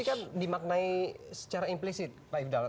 tapi kan dimaknai secara implicit pak ifdal